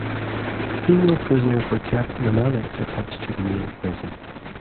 Female prisoners were kept in an annex attached to the male prison.